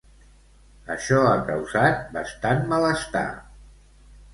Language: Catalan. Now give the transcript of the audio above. Això ha causat bastant malestar.